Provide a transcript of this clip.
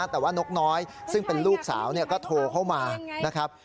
แต่ว่านกน้อยซึ่งเป็นลูกสาวก็โทรเข้ามานะครับ